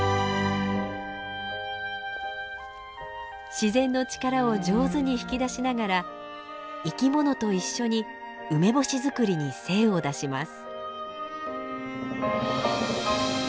自然の力を上手に引き出しながら生き物と一緒に梅干し作りに精を出します。